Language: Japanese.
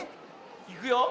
いくよ。